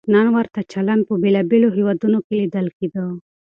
نن ورته چلند په بېلابېلو هېوادونو کې لیدل کېږي.